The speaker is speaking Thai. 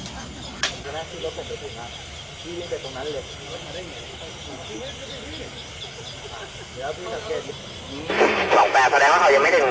เราลองแบกแสดงว่าสะยางไหวยังไม่ถึง